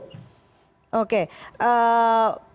oke bu nadia kenapa kamu tidak melihatnya di wajah